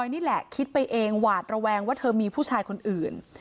นี่แหละคิดไปเองหวาดระแวงว่าเธอมีผู้ชายคนอื่น